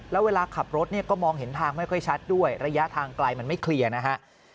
แล้วเวลาขับรถเนี่ยก็มองเห็นทางไม่ค่อยชัดด้วยระยะทางไกลมันไม่เคลียร์นะฮะ